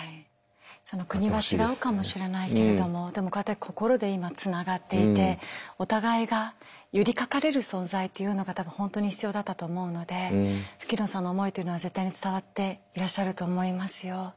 国は違うかもしれないけれどもこうやって心で今つながっていてお互いが寄りかかれる存在というのが多分本当に必要だったと思うので吹野さんの思いというのは絶対に伝わっていらっしゃると思いますよ。